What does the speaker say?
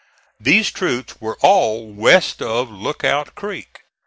These troops were all west of Lookout Creek.